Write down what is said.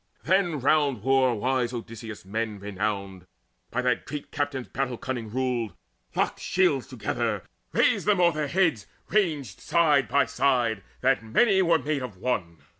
Then round war wise Odysseus men renowned, By that great captain's battle cunning ruled, Locked shields together, raised them o'er their heads Ranged side by side, that many were made one.